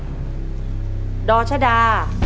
คุณยายแจ้วเลือกตอบจังหวัดนครราชสีมานะครับ